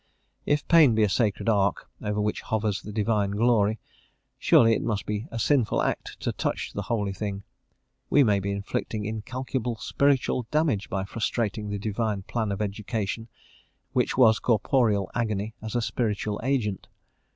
If pain be a sacred ark, over which hovers the divine glory, surely it must be a sinful act to touch the holy thing. We may be inflicting incalculable spiritual damage by frustrating the divine plan of education, which was corporeal agony as a spiritual agent.